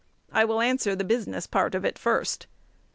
I will answer the business part of it first.